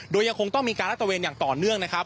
โดยยังคงต้องมีการรัตเวนอย่างต่อเนื่องนะครับ